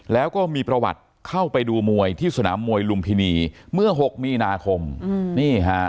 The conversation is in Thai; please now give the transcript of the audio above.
แล้วก็มีประวัติเข้าไปดูมวยที่สนามมวยลุมพินีเมื่อ๖มีนาคมนี่ฮะ